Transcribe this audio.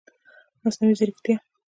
مصنوعي ځرکتیا